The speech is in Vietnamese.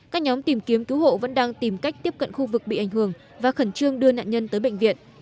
các nhóm tìm kiếm cứu hộ vẫn đang tìm cách tiếp cận khu vực bị ảnh hưởng và khẩn trương đưa nạn nhân tới bệnh viện